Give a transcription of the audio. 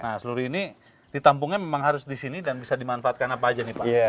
nah seluri ini ditampungnya memang harus di sini dan bisa dimanfaatkan apa aja nih pak